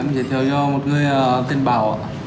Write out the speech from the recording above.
em giới thiệu cho một người tên bảo ạ